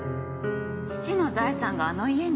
父の財産があの家に？